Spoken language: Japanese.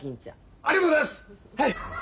ありがとうございます！